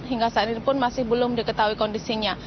hingga saat ini pun masih belum diketahui kondisinya